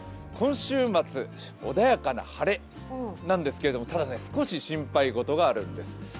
少し穏やかな晴れなんですが、ただ、少し心配事があるんです。